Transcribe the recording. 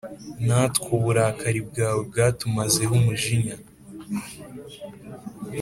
Natwe uburakari bwawe bwatumazeho Umujinya